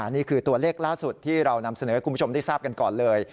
นี่คือตัวเลขล่าสุดที่เรานำเสนอให้คุณผู้ชมได้ทราบกันก่อนเลย